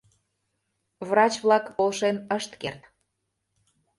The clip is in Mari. Врач-влак полшен ышт керт.